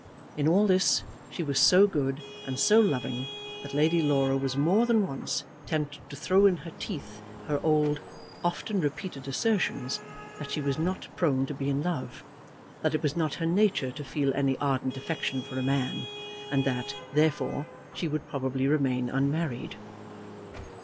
In all this, she was so good and so loving that Lady Laura was more than once tempted to throw in her teeth her old, often repeated assertions, that she was not prone to be in love, that it was not her nature to feel any ardent affection for a man, and that, therefore, she would probably remain unmarried.